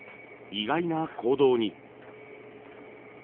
意外な行動に。